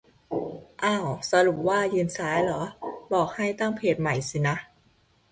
อ้าว สรุปว่ายืนซ้ายเหรอ บอกให้ ตั้งเพจใหม่สินะ